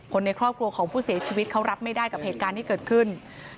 คนในครอบครัวของผู้เสียชีวิตเขารับไม่ได้กับเหตุการณ์ที่เกิดขึ้น